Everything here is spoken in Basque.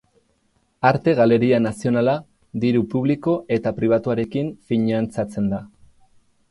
Arte Galeria Nazionala, diru publiko eta pribatuarekin finantzatzen da.